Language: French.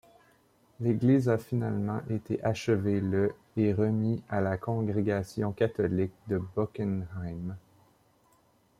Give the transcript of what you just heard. L'église a finalement été achevée le et remis à la congrégation catholique de Bockenheim.